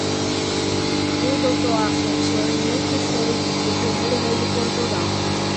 O D. Afonso Henriques foi o primeiro rei de Portugal